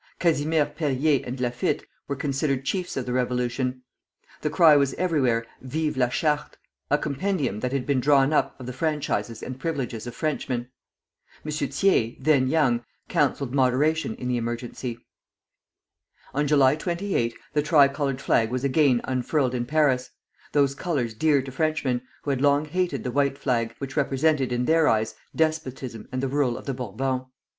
Casimir Perrier and Laffitte were considered chiefs of the revolution. The cry was everywhere "Vive la Charte," a compendium that had been drawn up of the franchises and privileges of Frenchmen. M. Thiers, then young, counselled moderation in the emergency. On July 28 the tricolored flag was again unfurled in Paris, those colors dear to Frenchmen, who had long hated the white flag, which represented in their eyes despotism and the rule of the Bourbons!